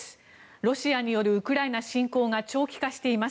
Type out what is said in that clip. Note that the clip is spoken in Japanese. ロシアによるウクライナ侵攻が長期化しています。